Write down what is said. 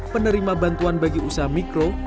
penerima bantuan bagi usaha mikro